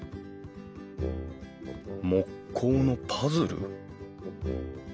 木工のパズル？